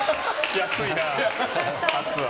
安いな、發は。